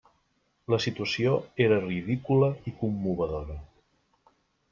La situació era ridícula i commovedora.